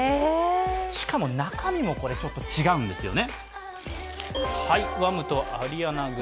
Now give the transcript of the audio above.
しかも中身もちょっと違うんですよね。